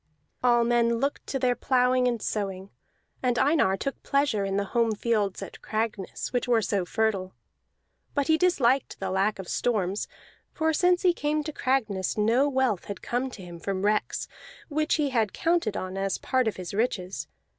All men looked to their plowing and sowing; and Einar took pleasure in the home fields at Cragness, which were so fertile. But he disliked the lack of storms, for since he came to Cragness no wealth had come to him from wrecks, which he had counted on as part of his riches.